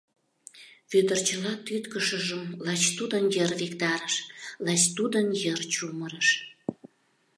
Вӧдыр чыла шке тӱткышыжым лач тудлан виктарыш, лач тудын йыр чумырыш...